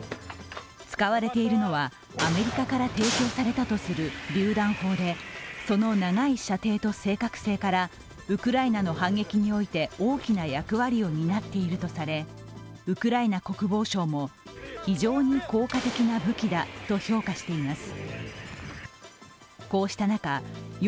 使われているのは、アメリカから提供されているとするりゅう弾砲でその長い射程と正確性からウクライナの反撃において大きな役割を担っているとされウクライナ国防省も、非常に効果的な武器だと評価しています。